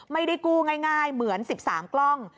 ไม่ได้กู้ง่ายเหมือน๑๓กล้อง